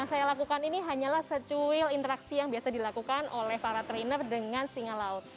yang saya lakukan ini hanyalah secuil interaksi yang biasa dilakukan oleh para trainer dengan singa laut